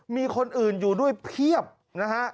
มีคนอื่นอยู่ด้วยเพียบนะฮะ